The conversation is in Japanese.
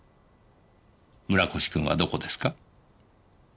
村越君はどこですか？